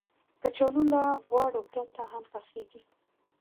کچالو له غوړو پرته هم پخېږي